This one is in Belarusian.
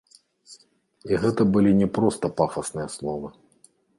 І гэта былі не проста пафасныя словы.